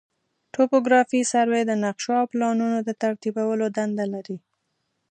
توپوګرافي سروې د نقشو او پلانونو د ترتیبولو دنده لري